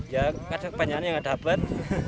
ya kadang kadang banyaknya nggak dapat